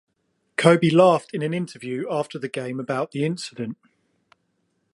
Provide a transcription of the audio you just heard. Koby laughed in an interview after the game about the incident.